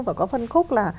và có phân khúc là